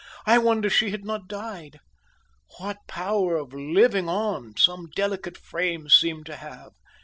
I wonder she had not died. What power of living on some delicate frames seem to have.